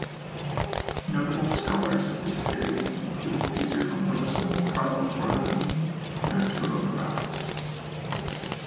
Notable scholars of this period include Cesare Lombroso, Carlo Forlanini and Arturo Graf.